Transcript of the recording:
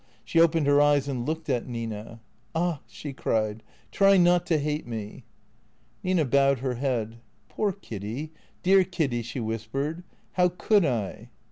She opened her eyes and looked at Nina. " Ah," she cried, " try not to hate me." Nina bowed her head. " Poor Kiddy, dear Kiddy," she whis pered. " How could I